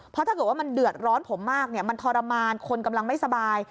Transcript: เพราะถ้าเกิดว่ามันเดือดร้อนผมมากมันทรมานคนกำลังไม่สบาย